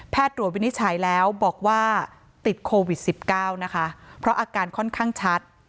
ตรวจวินิจฉัยแล้วบอกว่าติดโควิด๑๙นะคะเพราะอาการค่อนข้างชัด